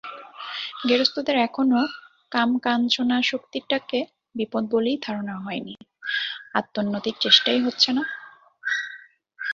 গেরস্তদের এখনও কামকাঞ্চনাসক্তিটাকে বিপদ বলেই ধারণা হয়নি, আত্মোন্নতির চেষ্টাই হচ্ছে না।